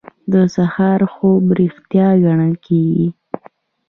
د سهار خوب ریښتیا ګڼل کیږي.